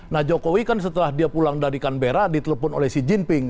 nah jokowi kan setelah dia pulang dari canberra ditelepon oleh xi jinping